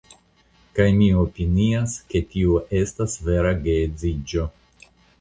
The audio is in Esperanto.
Kaj mi opinias ke tio estas vera geedziĝo.